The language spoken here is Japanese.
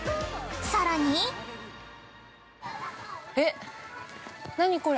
さらに◆えっ、何これ？